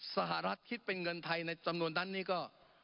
สหรัฐคิดเป็นเงินไทยในจำนวนนั้นนี้ก็